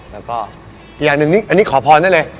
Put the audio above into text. แล้วก็อีกอย่างหนึ่งนี่อันนี้ขอพรได้เลย